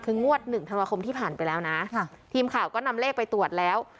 คืองวดหนึ่งธันวาคมที่ผ่านไปแล้วนะทีมข่าวก็นำเลขไปตรวจแล้ว